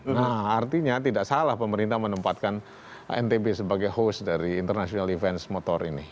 nah artinya tidak salah pemerintah menempatkan ntb sebagai host dari international defense motor ini